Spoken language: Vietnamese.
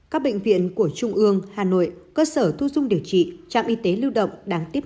ba mươi bốn các bệnh viện của trung ương hà nội cơ sở thu dung điều trị trạm y tế lưu động đang tiếp